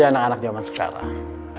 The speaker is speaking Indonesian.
anak anak zaman sekarang